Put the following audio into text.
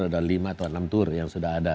ada lima atau enam tour yang sudah ada